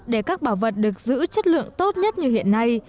để các bảo vật được giữ chất lượng tốt nhất như hiện nay